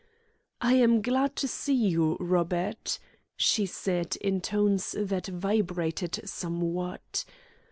"I am glad to see you, Robert," she said in tones that vibrated somewhat.